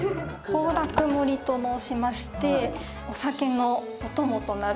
宝楽盛りと申しましてお酒のおともとなる。